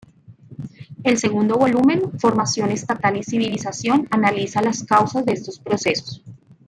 El segundo volumen, "Formación estatal y civilización", analiza las causas de estos procesos.